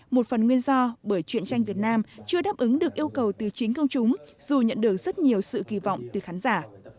một phần nguyên do bởi chuyện tranh việt nam chưa đáp ứng được yêu cầu từ chính công chúng dù nhận được rất nhiều sự kỳ vọng từ khán giả